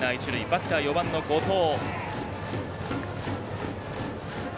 バッターは４番の後藤。